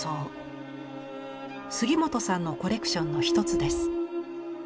杉本さんのコレクションの一つです。